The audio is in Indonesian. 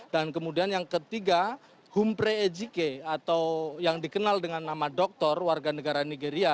dan kemudian yang ketiga humpre ejike atau yang dikenal dengan nama dokter warga negara nigeria